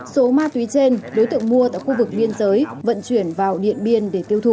số ma túy trên đối tượng mua tại khu vực biên giới vận chuyển vào điện biên để tiêu thụ